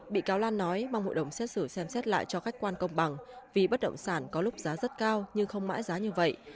bị cáo lan nói mong hội đồng xét xử xem xét lại cho khách quan công bằng vì bất động sản có lúc giá rất cao nhưng không mãi giá như vậy